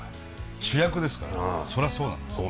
主役ですからそりゃそうなんですよ。